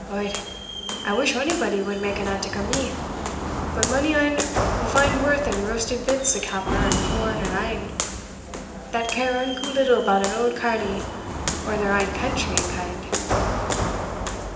Od, I wish anybody wad mak an antic o' me; but mony ane will find worth in rousted bits o' capper and horn and airn, that care unco little about an auld carle o' their ain country and kind."